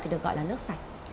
thì được gọi là nước sạch